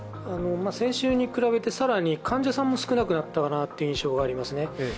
先週に比べて更に患者さんも少なくなったかなという印象があります。